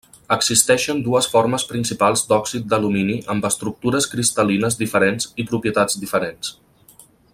Existeixen dues formes principals d'òxid d'alumini amb estructures cristal·lines diferents i propietats diferents.